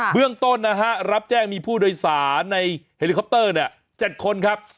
เรื่องต้นนะฮะรับแจ้งมีผู้โดยสารในเฮลิคอปเตอร์๗คนครับ